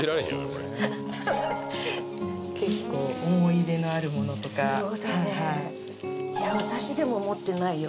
これ結構思い入れのあるものとかいや私でも持ってないよ